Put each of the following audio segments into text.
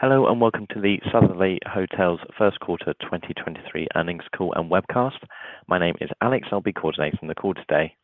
Hello. Welcome to the Sotherly Hotels first quarter 2023 earnings call and webcast. My name is Alex. I'll be coordinating the call today.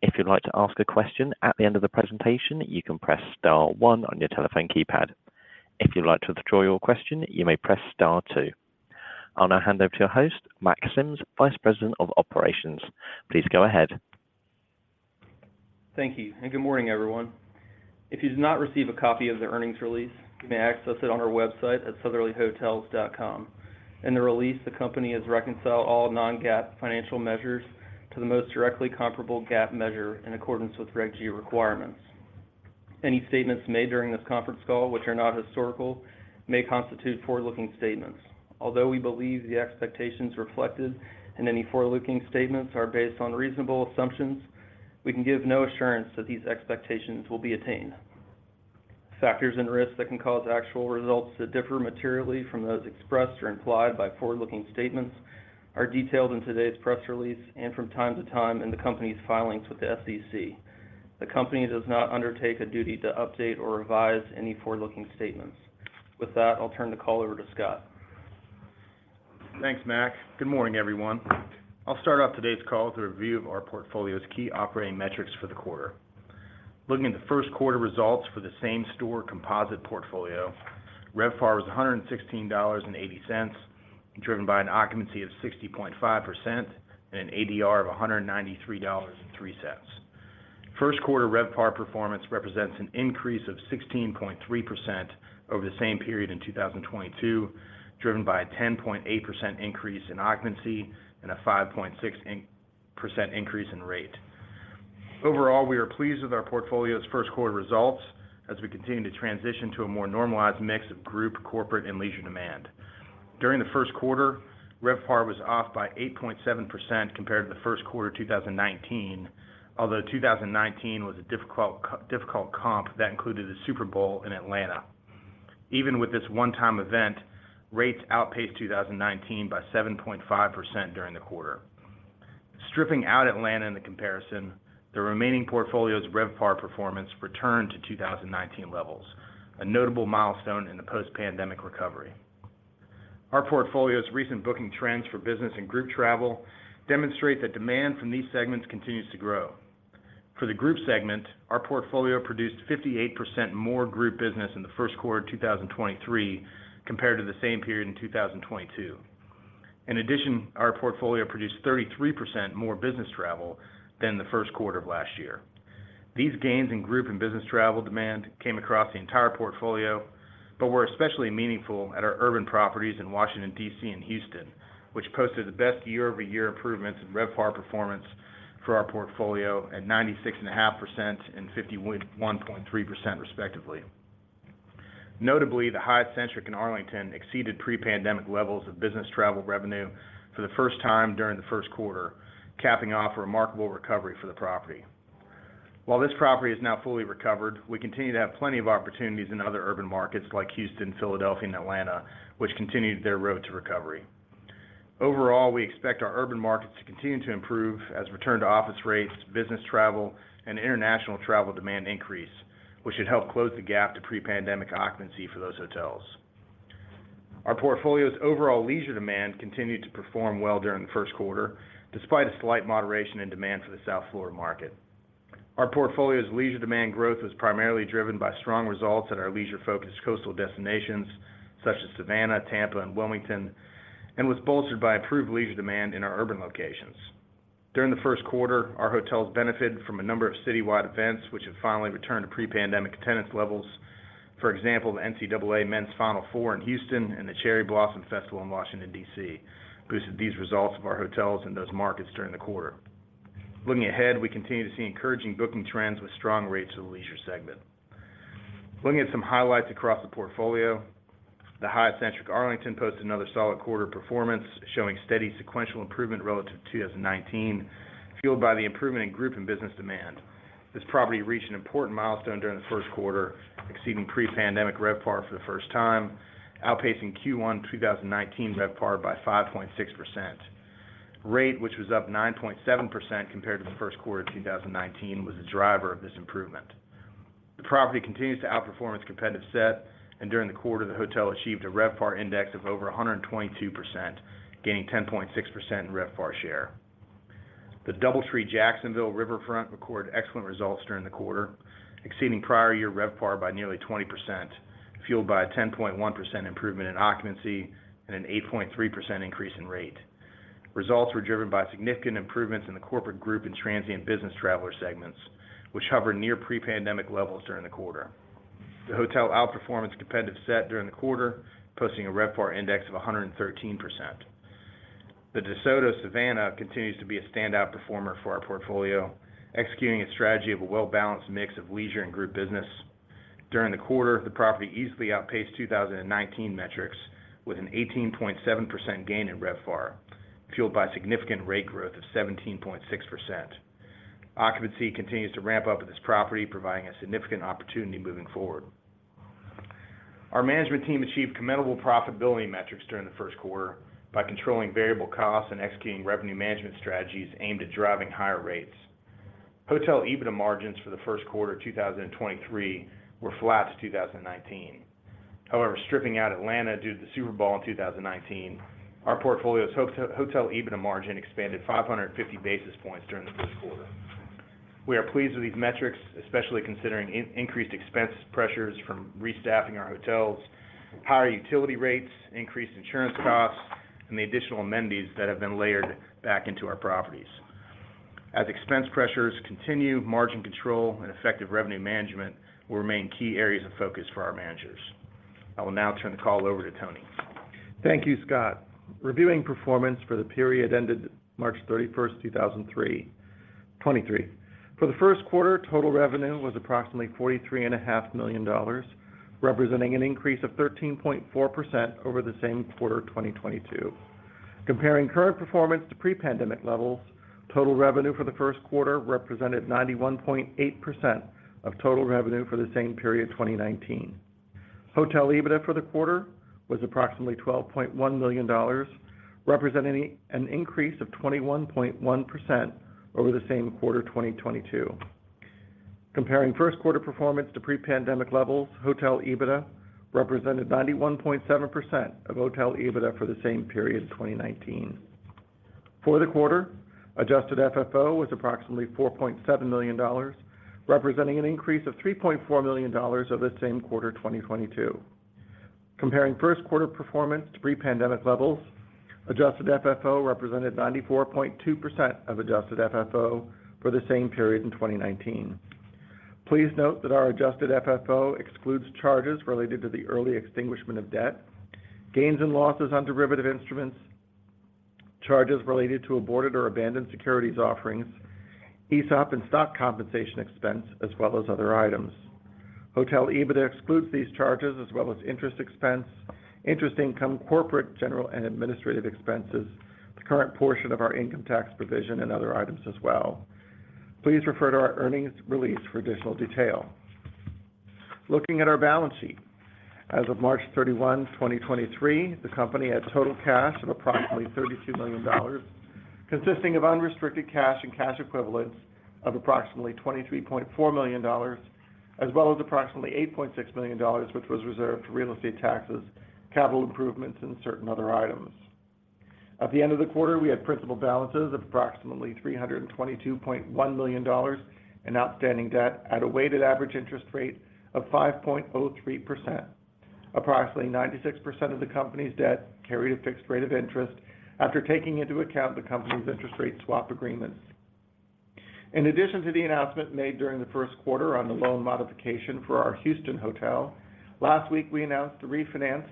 If you'd like to ask a question at the end of the presentation, you can press star one on your telephone keypad. If you'd like to withdraw your question, you may press star two. I'll now hand over to your host, Mack Sims, Vice President of Operations. Please go ahead. Thank you, and good morning, everyone. If you did not receive a copy of the earnings release, you may access it on our website at sotherlyhotels.com. In the release, the company has reconciled all non-GAAP financial measures to the most directly comparable GAAP measure in accordance with Regulation G requirements. Any statements made during this conference call which are not historical may constitute forward-looking statements. Although we believe the expectations reflected in any forward-looking statements are based on reasonable assumptions, we can give no assurance that these expectations will be attained. Factors and risks that can cause actual results to differ materially from those expressed or implied by forward-looking statements are detailed in today's press release and from time to time in the company's filings with the SEC. The company does not undertake a duty to update or revise any forward-looking statements. With that, I'll turn the call over to Scott. Thanks, Mack. Good morning, everyone. I'll start off today's call with a review of our portfolio's key operating metrics for the quarter. Looking at the first quarter results for the same store composite portfolio, RevPAR was $116.80, driven by an occupancy of 60.5% and an ADR of $193.03. First quarter RevPAR performance represents an increase of 16.3% over the same period in 2022, driven by a 10.8% increase in occupancy and a 5.6% increase in rate. Overall, we are pleased with our portfolio's first quarter results as we continue to transition to a more normalized mix of group, corporate, and leisure demand. During the first quarter, RevPAR was off by 8.7% compared to the first quarter of 2019, although 2019 was a difficult comp that included the Super Bowl in Atlanta. Even with this one-time event, rates outpaced 2019 by 7.5% during the quarter. Stripping out Atlanta in the comparison, the remaining portfolio's RevPAR performance returned to 2019 levels, a notable milestone in the post-pandemic recovery. Our portfolio's recent booking trends for business and group travel demonstrate that demand from these segments continues to grow. For the group segment, our portfolio produced 58% more group business in the first quarter of 2023 compared to the same period in 2022. Our portfolio produced 33% more business travel than the first quarter of last year. These gains in group and business travel demand came across the entire portfolio, but were especially meaningful at our urban properties in Washington, D.C. and Houston, which posted the best year-over-year improvements in RevPAR performance for our portfolio at 96.5% and 51.3% respectively. Notably, the Hyatt Centric in Arlington exceeded pre-pandemic levels of business travel revenue for the first time during the first quarter, capping off a remarkable recovery for the property. While this property is now fully recovered, we continue to have plenty of opportunities in other urban markets like Houston, Philadelphia, and Atlanta, which continued their road to recovery. Overall, we expect our urban markets to continue to improve as return to office rates, business travel, and international travel demand increase, which should help close the gap to pre-pandemic occupancy for those hotels. Our portfolio's overall leisure demand continued to perform well during the first quarter, despite a slight moderation in demand for the South Florida market. Our portfolio's leisure demand growth was primarily driven by strong results at our leisure-focused coastal destinations such as Savannah, Tampa, and Wilmington, and was bolstered by improved leisure demand in our urban locations. During the first quarter, our hotels benefited from a number of citywide events which have finally returned to pre-pandemic attendance levels. For example, the NCAA Men's Final Four in Houston and the Cherry Blossom Festival in Washington, D.C. boosted these results of our hotels in those markets during the quarter. Looking ahead, we continue to see encouraging booking trends with strong rates in the leisure segment. Looking at some highlights across the portfolio, the Hyatt Centric Arlington posted another solid quarter performance, showing steady sequential improvement relative to 2019, fueled by the improvement in group and business demand. This property reached an important milestone during the first quarter, exceeding pre-pandemic RevPAR for the first time, outpacing Q1 2019 RevPAR by 5.6%. Rate, which was up 9.7% compared to the first quarter of 2019, was a driver of this improvement. The property continues to outperform its competitive set, and during the quarter, the hotel achieved a RevPAR index of over 122%, gaining 10.6% in RevPAR share. The DoubleTree Jacksonville Riverfront recorded excellent results during the quarter, exceeding prior year RevPAR by nearly 20%, fueled by a 10.1% improvement in occupancy and an 8.3% increase in rate. Results were driven by significant improvements in the corporate group and transient business traveler segments, which hovered near pre-pandemic levels during the quarter. The hotel outperformed its competitive set during the quarter, posting a RevPAR index of 113%. The DeSoto Savannah continues to be a standout performer for our portfolio, executing a strategy of a well-balanced mix of leisure and group business. During the quarter, the property easily outpaced 2019 metrics, with an 18.7% gain in RevPAR, fueled by significant rate growth of 17.6%. Occupancy continues to ramp up at this property, providing a significant opportunity moving forward. Our management team achieved commendable profitability metrics during the first quarter by controlling variable costs and executing revenue management strategies aimed at driving higher rates. Hotel EBITDA margins for the first quarter 2023 were flat to 2019. However, stripping out Atlanta due to the Super Bowl in 2019, our portfolio's Hotel EBITDA margin expanded 550 basis points during the first quarter. We are pleased with these metrics, especially considering increased expense pressures from restaffing our hotels, higher utility rates, increased insurance costs, and the additional amenities that have been layered back into our properties. As expense pressures continue, margin control and effective revenue management will remain key areas of focus for our managers. I will now turn the call over to Tony. Thank you, Scott. Reviewing performance for the period ended March 31st, 2023. For the first quarter, total revenue was approximately $43 and a half million, representing an increase of 13.4% over the same quarter in 2022. Comparing current performance to pre-pandemic levels, total revenue for the first quarter represented 91.8% of total revenue for the same period in 2019. Hotel EBITDA for the quarter was approximately $12.1 million, representing an increase of 21.1% over the same quarter in 2022. Comparing first quarter performance to pre-pandemic levels, Hotel EBITDA represented 91.7% of Hotel EBITDA for the same period in 2019. For the quarter, adjusted FFO was approximately $4.7 million, representing an increase of $3.4 million over the same quarter in 2022. Comparing first quarter performance to pre-pandemic levels, adjusted FFO represented 94.2% of adjusted FFO for the same period in 2019. Please note that our adjusted FFO excludes charges related to the early extinguishment of debt, gains and losses on derivative instruments, charges related to aborted or abandoned securities offerings, ESOP and stock compensation expense, as well as other items. Hotel EBITDA excludes these charges as well as interest expense, interest income, corporate, general and administrative expenses, the current portion of our income tax provision and other items as well. Please refer to our earnings release for additional detail. Looking at our balance sheet. As of March 31, 2023, the company had total cash of approximately $32 million, consisting of unrestricted cash and cash equivalents of approximately $23.4 million, as well as approximately $8.6 million, which was reserved for real estate taxes, capital improvements, and certain other items. At the end of the quarter, we had principal balances of approximately $322.1 million in outstanding debt at a weighted average interest rate of 5.03%. Approximately 96% of the company's debt carried a fixed rate of interest after taking into account the company's interest rate swap agreements. In addition to the announcement made during the first quarter on the loan modification for our Houston hotel, last week, we announced a refinance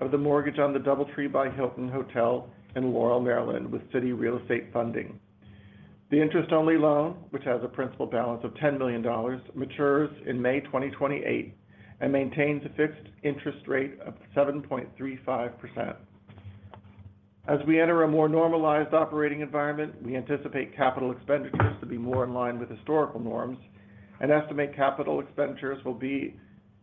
of the mortgage on the DoubleTree by Hilton Hotel in Laurel, Maryland, with Citi Real Estate Funding. The interest-only loan, which has a principal balance of $10 million, matures in May 2028 and maintains a fixed interest rate of 7.35%. As we enter a more normalized operating environment, we anticipate capital expenditures to be more in line with historical norms and estimate capital expenditures will be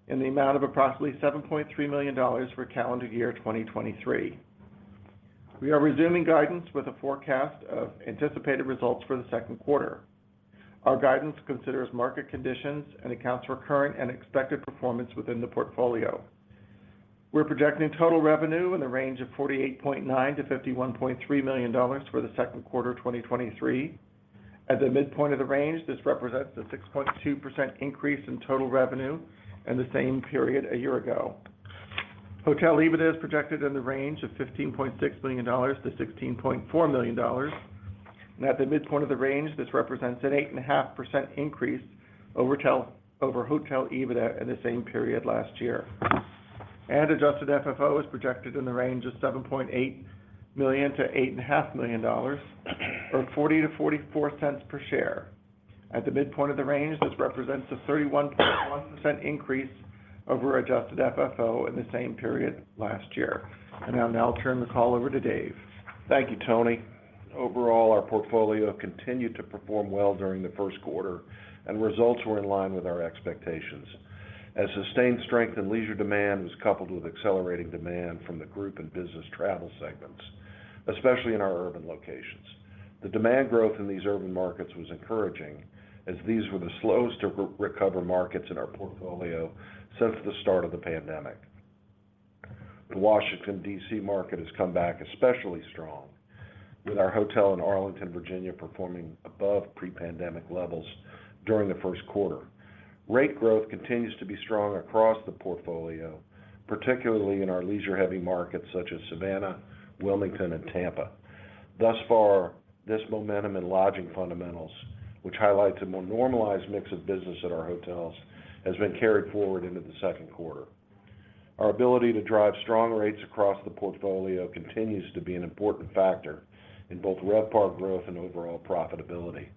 in the amount of approximately $7.3 million for calendar year 2023. We are resuming guidance with a forecast of anticipated results for the second quarter. Our guidance considers market conditions and accounts for current and expected performance within the portfolio. We're projecting total revenue in the range of $48.9 million-$51.3 million for the second quarter of 2023. At the midpoint of the range, this represents a 6.2% increase in total revenue in the same period a year ago. Hotel EBITDA is projected in the range of $15.6 million-$16.4 million. At the midpoint of the range, this represents an 8.5% increase over hotel EBITDA in the same period last year. Adjusted FFO is projected in the range of $7.8 million-$8.5 million, or $0.40-$0.44 per share. At the midpoint of the range, this represents a 31.1% increase over adjusted FFO in the same period last year. I will now turn the call over to Dave. Thank you, Tony. Overall, our portfolio continued to perform well during the first quarter, and results were in line with our expectations as sustained strength in leisure demand was coupled with accelerating demand from the group in business travel segments, especially in our urban locations. The demand growth in these urban markets was encouraging as these were the slowest to re-recover markets in our portfolio since the start of the pandemic. The Washington, D.C. market has come back especially strong, with our hotel in Arlington, Virginia, performing above pre-pandemic levels during the first quarter. Rate growth continues to be strong across the portfolio, particularly in our leisure-heavy markets such as Savannah, Wilmington, and Tampa. Thus far, this momentum in lodging fundamentals, which highlights a more normalized mix of business at our hotels, has been carried forward into the second quarter. Our ability to drive strong rates across the portfolio continues to be an important factor in both RevPAR growth and overall profitability.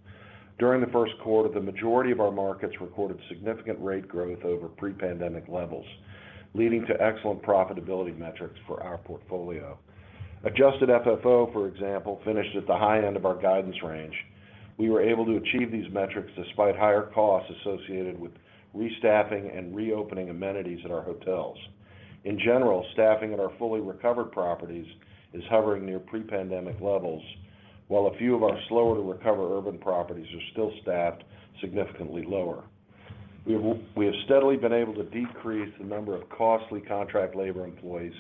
During the first quarter, the majority of our markets recorded significant rate growth over pre-pandemic levels, leading to excellent profitability metrics for our portfolio. Adjusted FFO, for example, finished at the high end of our guidance range. We were able to achieve these metrics despite higher costs associated with restaffing and reopening amenities at our hotels. In general, staffing at our fully recovered properties is hovering near pre-pandemic levels, while a few of our slower to recover urban properties are still staffed significantly lower. We have steadily been able to decrease the number of costly contract labor employees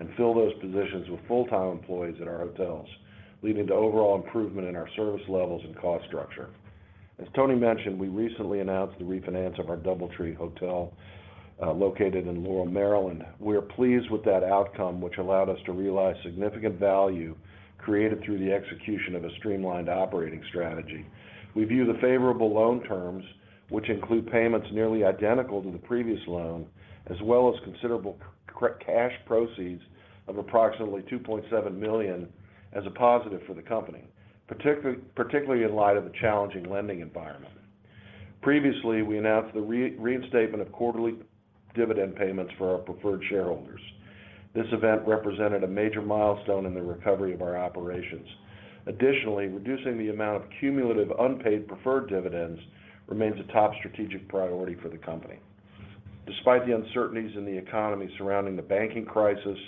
and fill those positions with full-time employees at our hotels, leading to overall improvement in our service levels and cost structure. As Tony mentioned, we recently announced the refinance of our DoubleTree Hotel located in Laurel, Maryland. We are pleased with that outcome, which allowed us to realize significant value created through the execution of a streamlined operating strategy. We view the favorable loan terms, which include payments nearly identical to the previous loan, as well as considerable cash proceeds of approximately $2.7 million as a positive for the company, particularly in light of the challenging lending environment. Previously, we announced the reinstatement of quarterly dividend payments for our preferred shareholders. This event represented a major milestone in the recovery of our operations. Additionally, reducing the amount of cumulative unpaid preferred dividends remains a top strategic priority for the company. Despite the uncertainties in the economy surrounding the banking crisis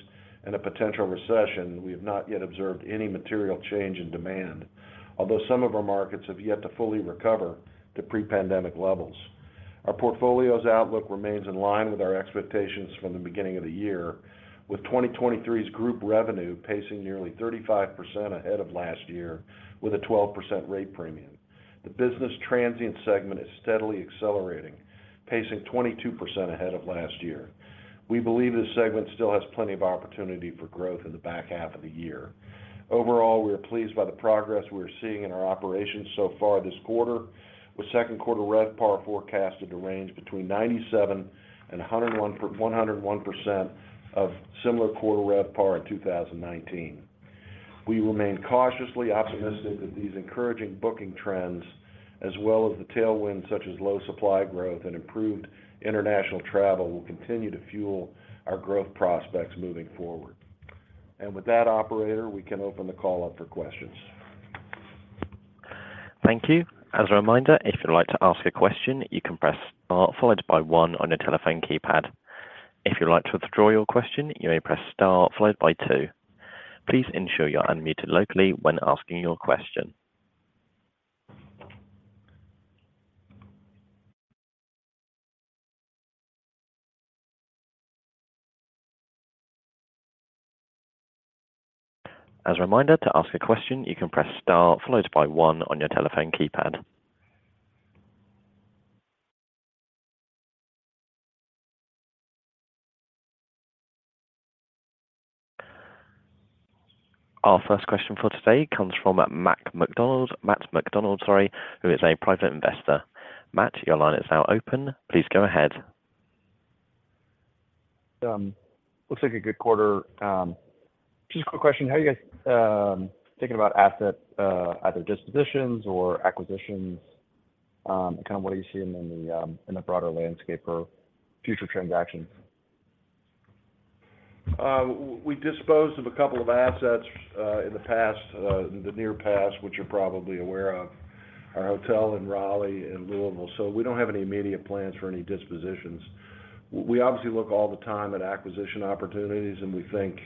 and a potential recession, we have not yet observed any material change in demand, although some of our markets have yet to fully recover to pre-pandemic levels. Our portfolio's outlook remains in line with our expectations from the beginning of the year, with 2023's group revenue pacing nearly 35% ahead of last year with a 12% rate premium. The business transient segment is steadily accelerating, pacing 22% ahead of last year. We believe this segment still has plenty of opportunity for growth in the back half of the year. Overall, we are pleased by the progress we're seeing in our operations so far this quarter, with second quarter RevPAR forecasted to range between 97% and 101% of similar quarter RevPAR in 2019. We remain cautiously optimistic that these encouraging booking trends as well as the tailwinds such as low supply growth and improved international travel, will continue to fuel our growth prospects moving forward. With that, operator, we can open the call up for questions. Thank you. As a reminder, if you'd like to ask a question, you can press star followed by one on your telephone keypad. If you'd like to withdraw your question, you may press star followed by two. Please ensure you're unmuted locally when asking your question. As a reminder, to ask a question, you can press star followed by one on your telephone keypad. Our first question for today comes from Matt McDonald, sorry, who is a private investor. Matt, your line is now open. Please go ahead. Looks like a good quarter. Just a quick question. How are you guys thinking about asset either dispositions or acquisitions, and kind of what are you seeing in the broader landscape for future transactions? We disposed of a couple of assets in the past, in the near past, which you're probably aware of. Our hotel in Raleigh and Louisville. We don't have any immediate plans for any dispositions. We obviously look all the time at acquisition opportunities, and we think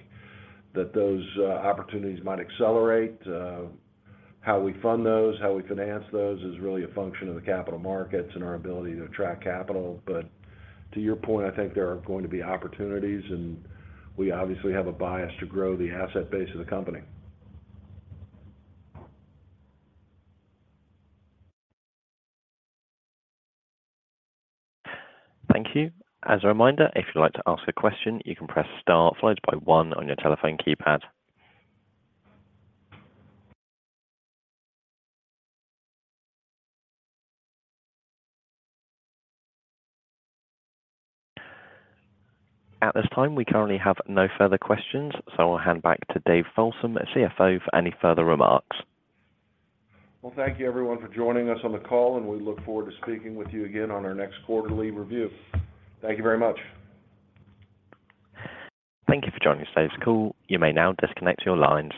that those opportunities might accelerate. How we fund those, how we finance those is really a function of the capital markets and our ability to attract capital. To your point, I think there are going to be opportunities, and we obviously have a bias to grow the asset base of the company. Thank you. As a reminder, if you'd like to ask a question, you can press star followed by one on your telephone keypad. At this time, we currently have no further questions. I'll hand back to Dave Folsom, CEO, for any further remarks. Well, thank you everyone for joining us on the call, and we look forward to speaking with you again on our next quarterly review. Thank you very much. Thank you for joining today's call. You may now disconnect your lines.